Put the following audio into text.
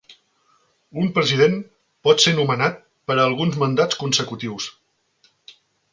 Un president pot ser nomenat per a alguns mandats consecutius.